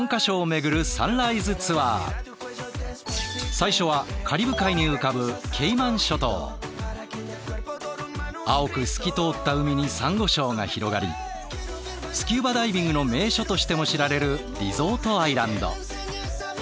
最初はカリブ海に浮かぶ青く透き通った海にサンゴ礁が広がりスキューバダイビングの名所としても知られるリゾートアイランド。